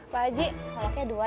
pak haji koloknya dua ya